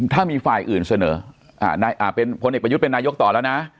ถ้ามีฝ่ายอื่นเสนอเป็นพลเอกประยุทธ์เป็นนายกต่อแล้วนะ